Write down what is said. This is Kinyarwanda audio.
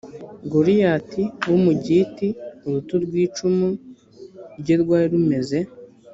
goliyati w umugiti uruti rw icumu rye rwari rumeze